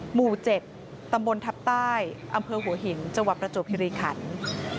หมู่๗ตำบลทัพใต้อำเภอหัวหินจังหวัดประจวบคิริขัน